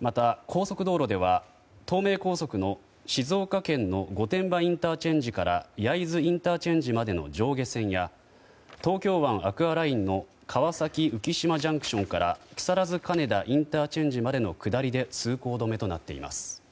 また高速道路では東名高速の静岡県の御殿場ＩＣから焼津ＩＣまでの上下線や東京湾アクアラインの川崎浮島ＪＣＴから木更津金田ＩＣまでの下りで通行止めとなっています。